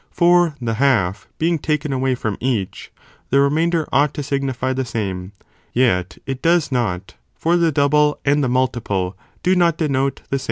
For the half being taken away from each, the remainder ought to signify the same, yet it does not, for the double, and the multiple, do not denote the same.